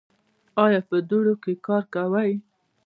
ایا په دوړو کې کار کوئ؟